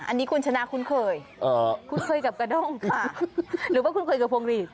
อันนี้คุณชนะคุ้นเคยคุ้นเคยกับกระด้งค่ะหรือว่าคุณเคยกับพวงหลีด